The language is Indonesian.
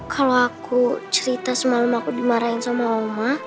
kalau aku cerita semalam aku dimarahin sama oma